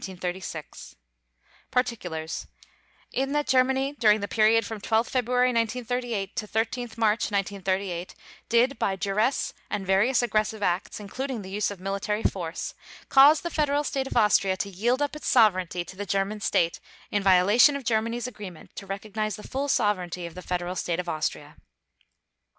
_ PARTICULARS: In that Germany during the period from 12 February 1938 to 13 March 1938 did by duress and various aggressive acts, including the use of military force, cause the Federal State of Austria to yield up its sovereignty to the German State in violation of Germany's agreement to recognize the full sovereignty of the Federal State of Austria.